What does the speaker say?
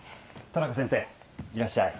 トラコ先生いらっしゃい。